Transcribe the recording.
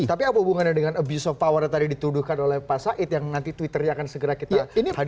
tapi apa hubungannya dengan abuse of power yang tadi dituduhkan oleh pak said yang nanti twitternya akan segera kita hadirkan